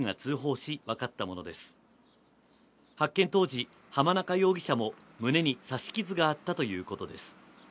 当時濱中容疑者も胸に刺し傷があったということです